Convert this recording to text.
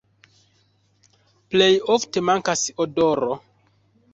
Plej ofte mankas odoro.